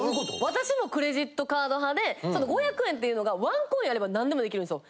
私もクレジットカード派で５００円っていうのがワンコインあればなんでも出来るんですよ。